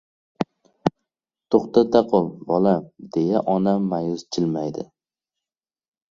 — To‘xtata qol, bolam, — deya onam ma’yus jil-maydi.